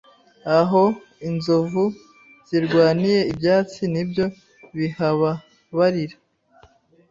Aho inzovu zirwaniye ibyatsi nibyo bihababarira